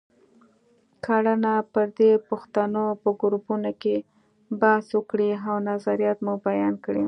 کړنه: پر دې پوښتنو په ګروپونو کې بحث وکړئ او نظریات مو بیان کړئ.